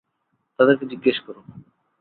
তাদেরকে জিজ্ঞেস করো!